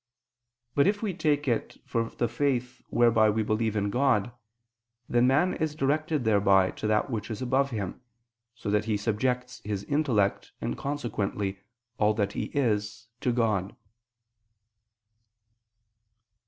But if we take it for the faith whereby we believe in God, then man is directed thereby to that which is above him, so that he subject his intellect and, consequently, all that is his, to God.